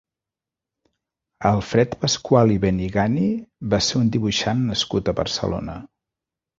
Alfred Pascual i Benigani va ser un dibuixant nascut a Barcelona.